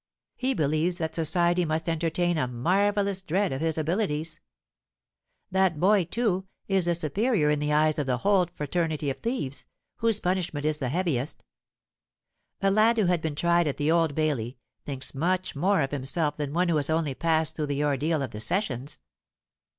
He believes that society must entertain a marvellous dread of his abilities. That boy, too, is the superior in the eyes of the whole fraternity of thieves, whose punishment is the heaviest. A lad who has been tried at the Old Bailey, thinks much more of himself than one who has only passed through the ordeal of the sessions.